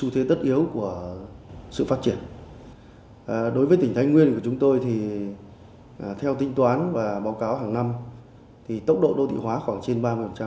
theo tính toán và báo cáo hàng năm tốc độ đô thị hóa khoảng trên ba mươi